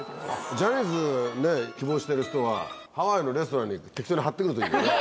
ジャニーズ希望してる人はハワイのレストランに行って適当に張って来るといいんだよね。